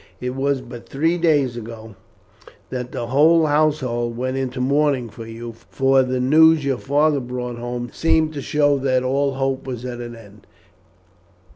It was but three days ago that the whole household went into mourning for you, for the news your father brought home seemed to show that all hope was at an end.